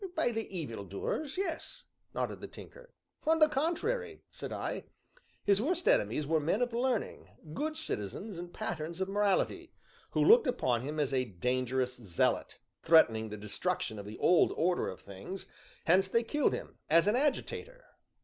"By the evil doers, yes," nodded the Tinker. "On the contrary," said I, "his worst enemies were men of learning, good citizens, and patterns of morality, who looked upon him as a dangerous zealot, threatening the destruction of the old order of things; hence they killed him as an agitator.